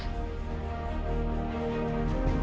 kakek itu sudah berubah